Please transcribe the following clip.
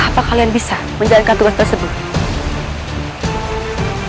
apa kalian bisa menjalankan tugas tersebut